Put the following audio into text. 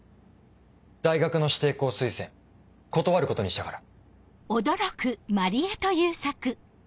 大学の指定校推薦断ることにしたから。